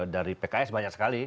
dari pks banyak sekali